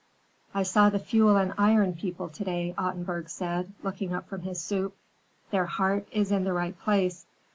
"I saw the Fuel and Iron people to day," Ottenburg said, looking up from his soup. "Their heart is in the right place.